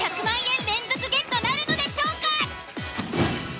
１００万円連続ゲットなるのでしょうか！？